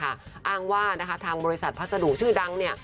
อ้างว่าทางบริษัทภาษาดูชื่อดัง